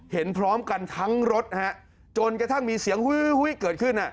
เห็นพร้อมกันทั้งรถจนกระทั่งมีเสียงหุ้ยเกิดขึ้น